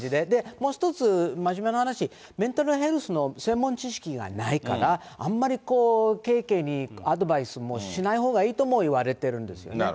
もう一つ真面目な話、メンタルヘルスの専門知識がないから、あんまり軽々にアドバイスもしないほうがいいともいわれているんですね。